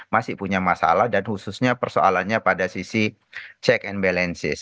masih punya masalah dan khususnya persoalannya pada sisi check and balances